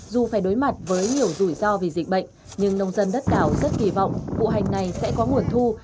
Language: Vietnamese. dù phải đối mặt với nhiều rủi ro vì dịch bệnh nhưng nông dân đất đảo rất kỳ vọng bộ hành này sẽ có nguồn thu